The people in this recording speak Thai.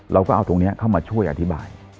เราก็เอาตรงนี้เข้ามาช่วยอธิบาย